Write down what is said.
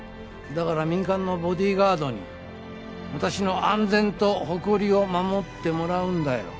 だから民間のボディーガードに私の安全と誇りを護ってもらうんだよ。